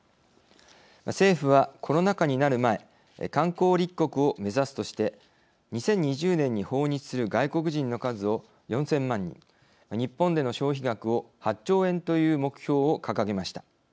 政府はコロナ禍になる前観光立国を目指すとして２０２０年に訪日する外国人の数を４０００万人日本での消費額を８兆円という目標を掲げました。